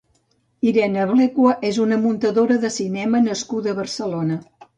Irene Blecua és una muntadora de cinema nascuda a Barcelona.